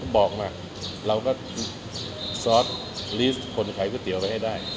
บอกมาเราก็ซอสลีสคนขายก๋วยเตี๋ยวไว้ให้ได้